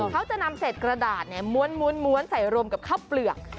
เขาจะนำเศษกระดาษม้วนใส่รวมกับข้าวเปลือก